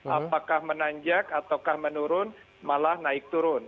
apakah menanjak ataukah menurun malah naik turun